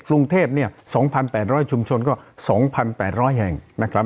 กรุงเทพเนี่ยสองพันแปดร้อยชุมชนก็สองพันแปดร้อยแห่งนะครับ